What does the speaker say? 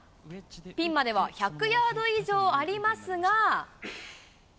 ピンまでは１００ヤード以上ありますが。